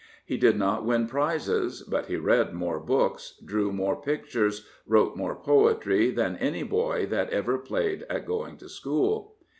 He did not win prizes, but he read more books, drew more pictures, wrote more poetry than any boy that ever played at going to school.